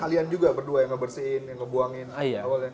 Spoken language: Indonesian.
kalian juga berdua yang ngebersihin yang ngebuangin